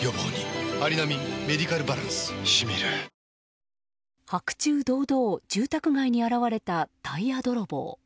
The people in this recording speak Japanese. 「ほんだし」で白昼堂々、住宅街に現れたタイヤ泥棒。